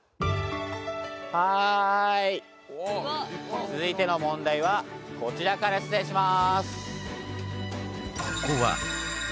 はい続いての問題はこちらから出題します。